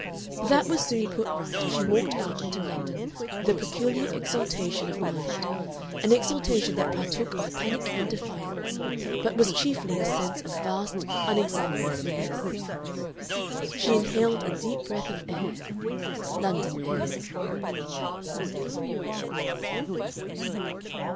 But that was soon put right, and she walked out into London with a peculiar exaltation of mind, an exaltation that partook of panic and defiance, but was chiefly a sense of vast unexampled release. She inhaled a deep breath of air London air.